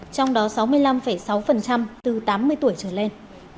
trong đó sáu mươi năm sáu từ tám mươi tuổi trở lên